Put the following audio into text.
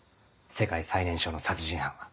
世界最年少の殺人犯は。